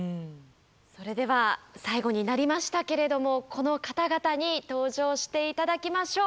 それでは最後になりましたけれどもこの方々に登場して頂きましょう。